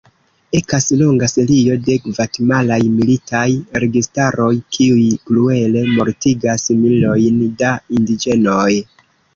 Ekas longa serio de gvatemalaj militaj registaroj, kiuj kruele mortigas milojn da indiĝenoj.